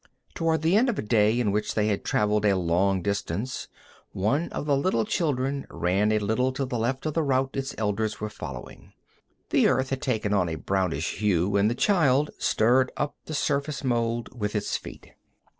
Toward the end of a day in which they had traveled a long distance, one of the little children ran a little to the left of the route its elders were following. The earth had taken on a brownish hue, and the child stirred up the surface mould with its feet.